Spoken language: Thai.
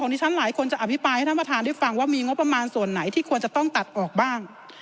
ได้ฟังว่ามีงบประมาณส่วนไหนที่ควรจะต้องตัดออกบ้าง